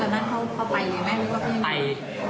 แล้วตอนนั้นเขาไปแม่ก็ไป